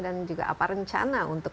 dan juga apa rencana untuk